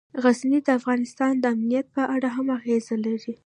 غزني د افغانستان د امنیت په اړه هم اغېز لري.